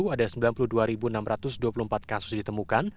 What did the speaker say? dua ribu dua puluh satu ada sembilan puluh dua enam ratus dua puluh empat kasus ditemukan